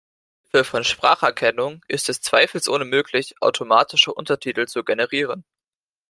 Mithilfe von Spracherkennung ist es zweifelsohne möglich, automatische Untertitel zu generieren.